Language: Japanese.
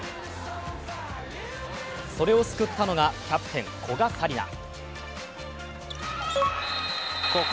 それを救ったのがキャプテン・古賀紗理那。